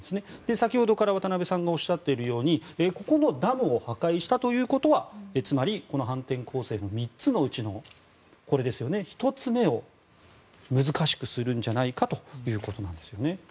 先ほどから渡部さんがおっしゃっているようにここのダムを破壊したということはつまり、この反転攻勢の３つのうちの１つ目を難しくするんじゃないかということです。